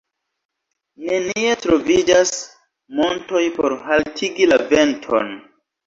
Nenie troviĝas montoj por haltigi la venton.